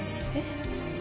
えっ？